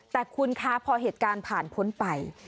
แต่คุณคะพอเหตุการณ์ผ่านพ้นไป